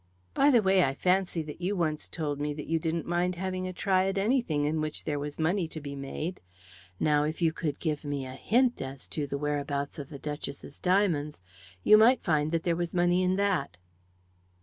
By the way, I fancy that you once told me that you didn't mind having a try at anything in which there was money to be made. Now, if you could give me a hint as to the whereabouts of the Duchess's diamonds, you might find that there was money in that."